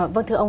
vâng thưa ông